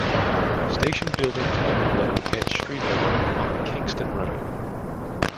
Station buildings are below at street level on the Kingston Road.